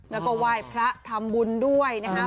แล้วก็ไหว้พระทำบุญด้วยนะครับ